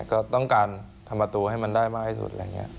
ก็ต้องการทำประตูให้มันได้มากที่สุด